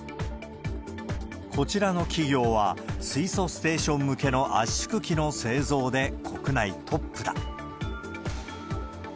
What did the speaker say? こちらの企業は、水素ステーション向けの圧縮機の製造で国内トップだ。